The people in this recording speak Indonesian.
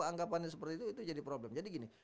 anggapannya seperti itu jadi problem jadi gini